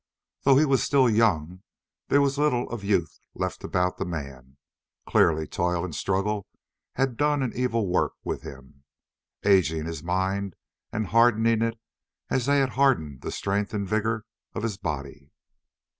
Though he was still young, there was little of youth left about the man; clearly toil and struggle had done an evil work with him, ageing his mind and hardening it as they had hardened the strength and vigour of his body.